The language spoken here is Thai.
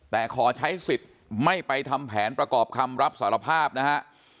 แต่ขอใช้สิทธิ์ไม่ไปทำแผนประกอบคำรับสารภาพนะฮะ